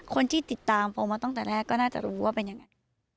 คนที่ติดตามโปรมาตั้งแต่แรกก็น่าจะรู้ว่าเป็นยังไง